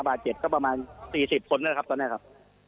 บาดเจ็บก็ประมาณ๔๐คนนะครับตอนนี้ครับ